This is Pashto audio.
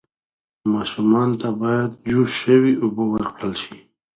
ماشومانو ته باید جوش شوې اوبه ورکړل شي.